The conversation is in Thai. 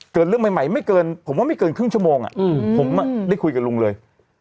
เกิดเรื่องใหม่ผมว่าไม่เกินครึ่งชั่วโมงอะผมได้คุยกับลุงเลย